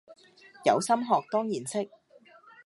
有心學當然識